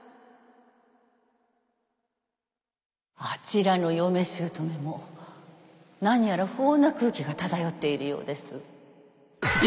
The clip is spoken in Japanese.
あちらの嫁姑も何やら不穏な空気が漂っているようです。